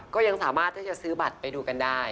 ก็ยังสามารถที่จะซื้อบัตรไปดูกันได้